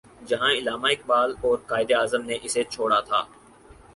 جہاں علامہ اقبال اور قائد اعظم نے اسے چھوڑا تھا۔